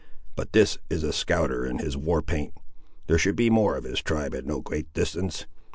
But this is a scouter in his war paint! There should be more of his tribe at no great distance.